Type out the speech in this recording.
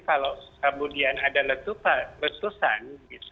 kalau kemudian ada letupan letusan